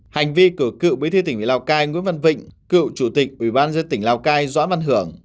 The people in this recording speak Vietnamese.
hành vi của cựu bí thư tỉnh ủy lào cai nguyễn văn vịnh cựu chủ tịch ủy ban dân tỉnh lào cai doãn hưởng